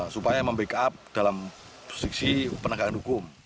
supaya membackup dalam substisi penegakan hukum